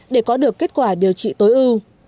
để có được kết quả điều trị tối ưu